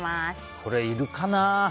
これ、いるかな？